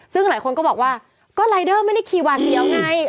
ซึ่งหลายคนก็บอกว่าก็รายเดอร์ไม่ได้ขี่หวาดเสียวไง